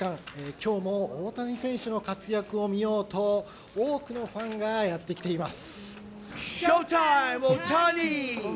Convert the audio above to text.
きょうも大谷選手の活躍を見ようと、多くのファンがやって来ています。